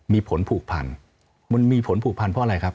มีผลผูกพันมันมีผลผูกพันเพราะอะไรครับ